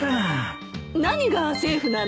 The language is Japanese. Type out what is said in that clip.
何がセーフなの？